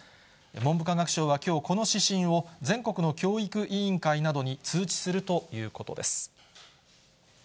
文部科学省はきょう、この指針を、全国の教育委員会などに通知するということです。